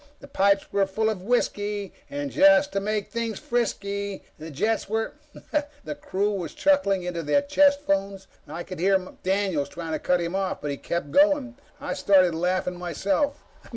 The pipes were full of whisky, and just to make things risky, the jets were ..._" The crew were chuckling into their own chest phones. I could hear Daniels trying to cut him off. But he kept going. I started laughing myself.